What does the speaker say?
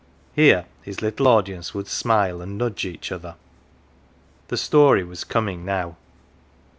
" Here his little audience would smile and nudge each other : the story was coming now.